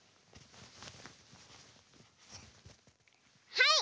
はい！